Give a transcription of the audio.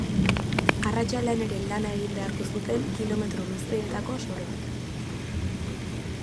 Arratsaldean ere lana egin beharko zuten kilometro luzeetako soroan.